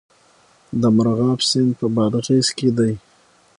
د مرغاب سیند په بادغیس کې دی